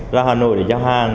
ra hà nội để giao hàng